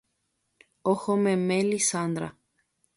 Ohomeme Lizandra